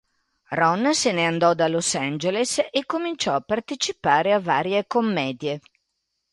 Ron se ne andò da Los Angeles e cominciò a partecipare a varie commedie.